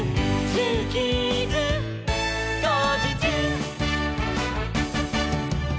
「ジューキーズこうじちゅう！」